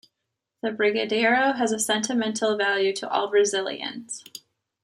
The brigadeiro has a sentimental value to all Brazilians.